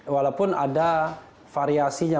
walaupun ada variasinya